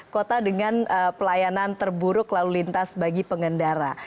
kota dengan pelayanan terburuk lalu lintas bagi pengendara